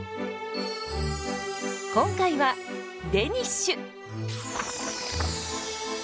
今回はデニッシュ！